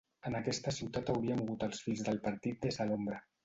En aquesta ciutat hauria mogut els fils del partit des de l'ombra.